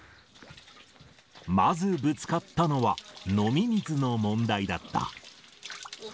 まずぶつかったのは、飲み水の問題だった。